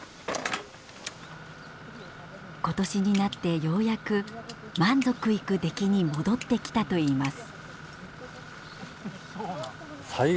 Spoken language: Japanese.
今年になってようやく満足いく出来に戻ってきたといいます。